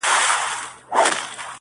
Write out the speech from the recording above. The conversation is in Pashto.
خود دي خالـونه پــه واوښتــل~